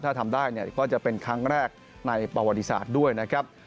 ถ้าทำได้เนี่ยก็จะเป็นครั้งแรกในประวัติศาสตร์ด้วยนะครับ